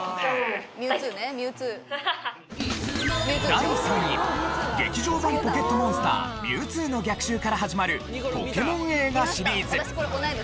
第３位『劇場版ポケットモンスターミュウツーの逆襲』から始まるポケモン映画シリーズ。